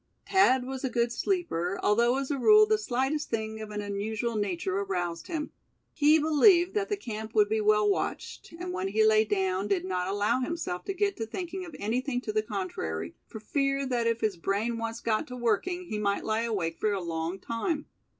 Thad was a good sleeper, although as a rule the slightest thing of an unusual nature aroused him. He believed that the camp would be well watched, and when he lay down did not allow himself to get to thinking of anything to the contrary, for fear that if his brain once got to working, he might lie awake for a long time.